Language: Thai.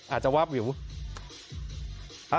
อาจจะว่า